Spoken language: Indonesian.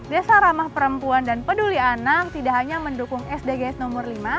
desa ramah perempuan dan peduli anak tidak hanya mendukung sdgs nomor lima